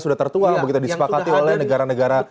sudah tertuang begitu disepakati oleh negara negara